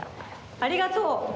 ありがとう。